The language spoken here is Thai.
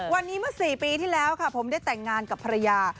วันนี้เมื่อ๔ปีที่แล้วค่ะผมได้แต่งงานกับภรรยา